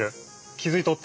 気付いとった？